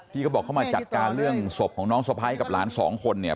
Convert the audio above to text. เขาบอกเขามาจัดการเรื่องศพของน้องสะพ้ายกับหลานสองคนเนี่ย